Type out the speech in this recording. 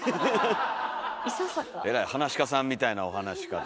えらいはなし家さんみたいなお話し方で。